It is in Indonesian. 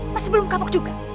masih belum kapok juga